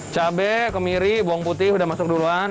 cabai kemiri bawang putih sudah masuk duluan